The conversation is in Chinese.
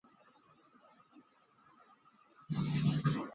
埃尔克内尔是德国勃兰登堡州的一个市镇。